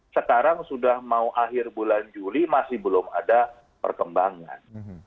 sekarang sudah mau akhir bulan juli masih belum ada perkembangan